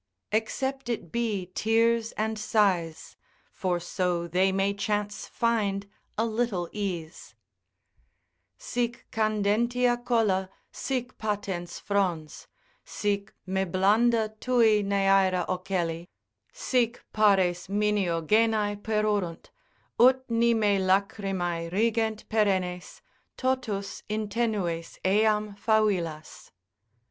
Except it be tears and sighs, for so they may chance find a little ease. Sic candentia colla, sic patens frons, Sic me blanda tui Neaera ocelli, Sic pares minio genae perurunt, Ut ni me lachrymae rigent perennes, Totus in tenues eam favillas.